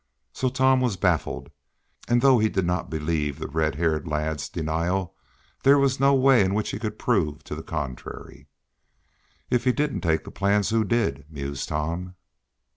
So Tom was baffled; and though he did not believe the red haired lad's denial, there was no way in which he could prove to the contrary. "If he didn't take the plans, who did?" mused Tom.